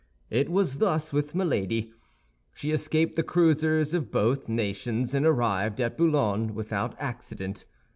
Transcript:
It was thus with Milady. She escaped the cruisers of both nations, and arrived at Boulogne without accident.